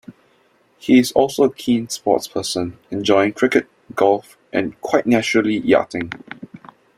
He is also a keen sports person, enjoying cricket, golf and quite naturally yachting.